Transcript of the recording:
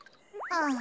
ああ。